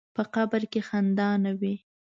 په قبر کې خندا نه وي.